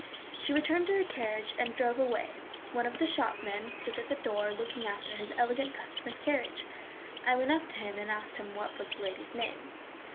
She returned to her carriage and drove away. One of the shopmen stood at the door looking after his elegant customer's carriage. I went up to him and asked him what was the lady's name.